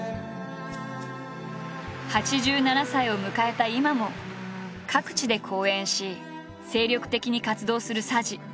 ８７歳を迎えた今も各地で講演し精力的に活動する佐治。